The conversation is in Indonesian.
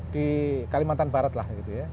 di kalimantan barat lah